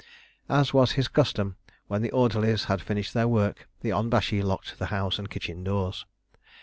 As was his custom, when the orderlies had finished their work, the onbashi locked the house and kitchen doors.